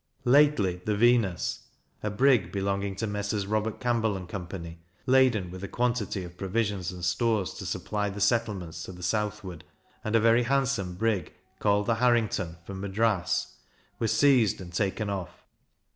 Lately, the Venus, a brig belonging to Messrs. Robert Campbell and Co. laden with a quantity of provisions and stores to supply the settlements to the southward, and a very handsome brig, called the Harrington, from Madras, were seized and taken off.